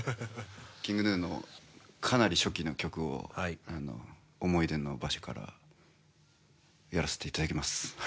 ＫｉｎｇＧｎｕの、かなり初期の曲を思い出の場所からやらせていただきます。